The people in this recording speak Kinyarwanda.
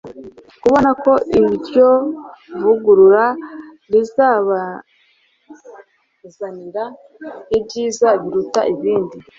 kubona ko iryo vugurura rizabazanira ibyiza biruta ibindi